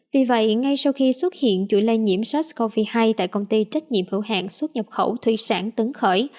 vì vậy ngay sau khi xuất hiện chuỗi lây nhiễm sars cov hai tại công ty trách nhiệm hữu hạng xuất nhập khẩu thủy sản tấn khởi